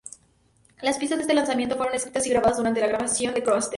Las pistas de este lanzamiento fueron escritas y grabadas durante la grabación de "Coaster".